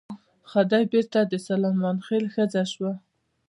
خدۍ بېرته د سلیمان خېل ښځه شوه.